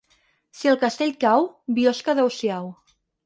Si el castell cau, Biosca adeu-siau.